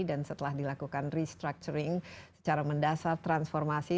dan setelah dilakukan restructuring secara mendasar transformasi